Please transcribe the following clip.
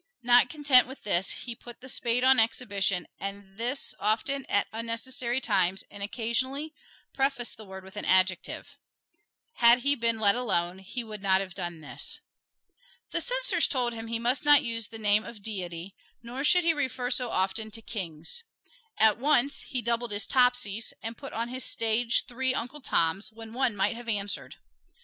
Not content with this, he put the spade on exhibition and this often at unnecessary times, and occasionally prefaced the word with an adjective. Had he been let alone he would not have done this. The censors told him he must not use the name of Deity, nor should he refer so often to kings. At once, he doubled his Topseys and put on his stage three Uncle Toms when one might have answered.